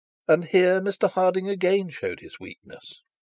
And her, Mr Harding again showed his weakness.